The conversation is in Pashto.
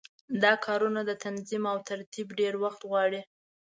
دا کارونه تنظیم او ترتیب ډېر وخت غواړي.